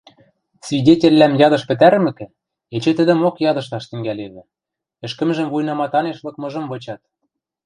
Свидетельвлӓм ядышт пӹтӓрӹмӹкӹ, эче тӹдӹмок ядышташ тӹнгӓлевӹ, ӹшкӹмжӹм вуйнаматанеш лыкмыжым вычат.